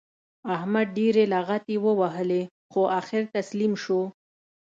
احمد ډېرې لغتې ووهلې؛ خو اخېر تسلیم شو.